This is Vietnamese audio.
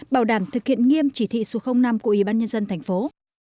bảo đảm thực hiện nghiêm chỉ thị số năm của ủy ban nhân dân thành phố